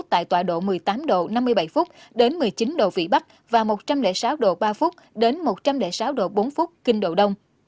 tại tòa độ một mươi tám độ năm mươi bảy phút đến một mươi chín độ vĩ bắc và một trăm linh sáu độ ba phút đến một trăm linh sáu độ bốn phút kinh độ đông